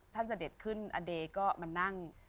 ท่านเสด็จขึ้นอเดมานั่ง